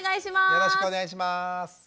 よろしくお願いします。